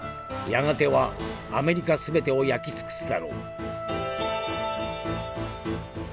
やがてはアメリカ全てを焼き尽くすだろう」。